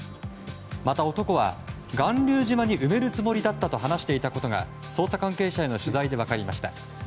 また男は巌流島に埋めるつもりだったと話していたことが捜査関係者への取材で分かりました。